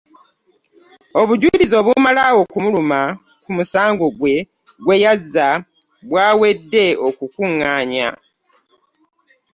Obujulizi obumala okumuluma ku musango gwe yazza bwawedde okukuŋŋaanya.